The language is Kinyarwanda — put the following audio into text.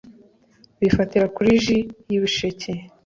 bifatira kuri ji y’ibisheke,